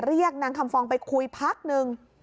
เรียกนางคำฟองไปคุยพักหนึ่ง